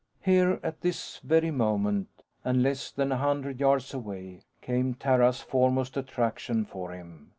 Here at this very moment and less than a hundred yards away came Terra's foremost attraction for him.